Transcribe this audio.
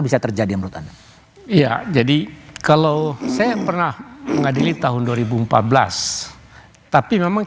bisa terjadi menurut anda iya jadi kalau saya pernah mengadili tahun dua ribu empat belas tapi memang